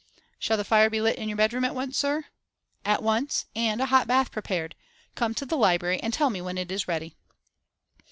'Shall the fire be lit in your bedroom at once, sir?' 'At once, and a hot bath prepared. Come to the library and tell me when it is ready.